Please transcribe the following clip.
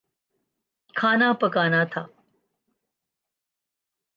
کھانا پکانا تھا